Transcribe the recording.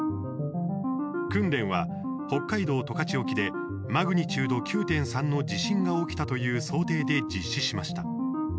訓練は、北海道十勝沖でマグニチュード９．３の地震が起きたという想定で実施しました。